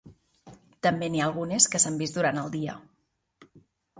També n'hi ha algunes que s'han vist durant el dia.